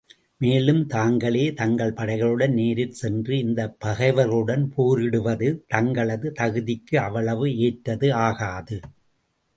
மேலும் தாங்களே தங்கள் படைகளுடனே நேரிற் சென்று இந்தப் பகைவர்களுடன் போரிடுவது தங்களது தகுதிக்கு அவ்வளவு ஏற்றது ஆகாது.